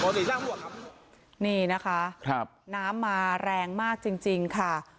นี่นะคะน้ำมาแรงมากจริงค่ะ